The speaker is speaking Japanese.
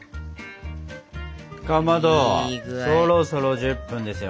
かまどそろそろ１０分ですよ。